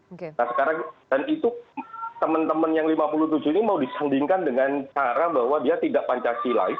nah sekarang dan itu teman teman yang lima puluh tujuh ini mau disandingkan dengan cara bahwa dia tidak pancasilais